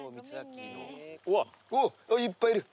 うわっいっぱいいる。